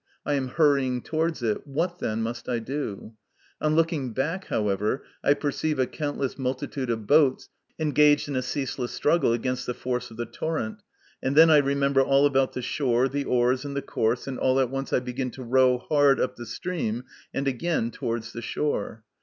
I am hurrying towards it ; what, then, must I do ? On looking back, however, I perceive a countless multitude of boats engaged in a ceaseless struggle against the force of the torrent, and then I remember all about the shore, the oars, and the course, and at once I begin to row hard up the stream and again towards the shore.